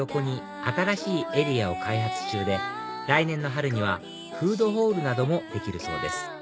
新しいエリアを開発中で来年の春にはフードホールなどもできるそうです